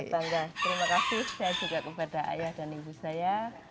bangga terima kasih saya juga kepada ayah dan ibu saya